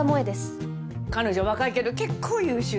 彼女若いけど結構優秀なのよ。